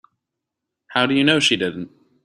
How do you know she didn't?